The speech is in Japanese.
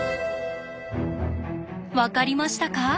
わかりましたか？